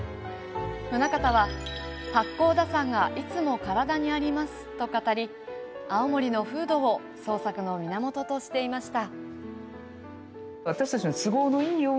棟方は「八甲田山がいつも體にあります」と語り、青森の風土を創作の源としていました。